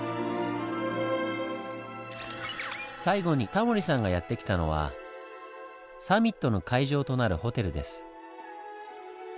最後にタモリさんがやって来たのはサミットの会場となるホテルです。